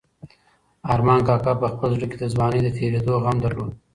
ارمان کاکا په خپل زړه کې د ځوانۍ د تېرېدو غم درلود.